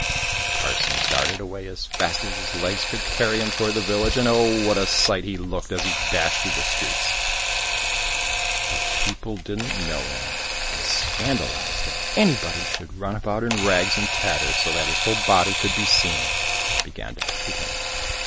The parson darted away as fast as his legs could carry him toward the village, and oh ! what a sight he looked as he dashed through the streets ! The people didn't know him, and — scandalized that anybody should run about in rags and tatters so that his whole body could be seen — began to hoot him.